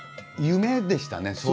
夢でしたね